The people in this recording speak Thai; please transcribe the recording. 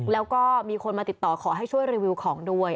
แล้วก็มีคนมาติดต่อขอให้ช่วยรีวิวของด้วย